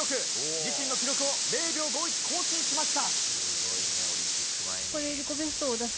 自身の記録を０秒５１更新しました！